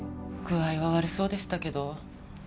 具合は悪そうでしたけど。